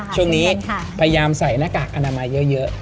ช่วงนี้พยายามใส่หน้ากากอนามัยเยอะ